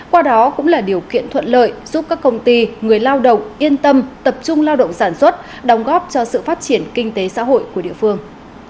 qua đó cũng là điều kiện thuận lợi giúp các công ty người lao động yên tâm tập trung lao động sản xuất đóng góp cho sự phát triển kinh tế xã hội của địa phương